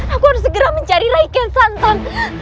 aku harus segera mencari raikian santang